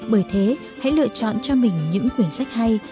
bởi thế hãy lựa chọn cho mình những quyển sách hay